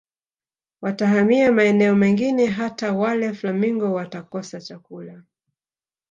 Watahamia maeneo mengine hata wale flamingo watakosa chakula